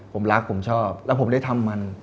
ผมรักผมชอบแล้วผมได้ทำมัน